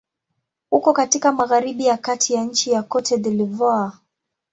Uko katika magharibi ya kati ya nchi Cote d'Ivoire.